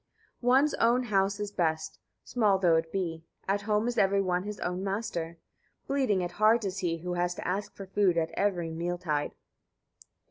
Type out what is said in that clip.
37. One's own house is best, small though it be, at home is every one his own master. Bleeding at heart is he, who has to ask for food at every meal tide.